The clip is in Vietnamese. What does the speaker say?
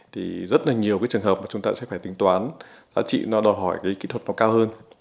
thì rất là nhiều trường hợp chúng ta sẽ phải tính toán giá trị nó đòi hỏi kỹ thuật nó cao hơn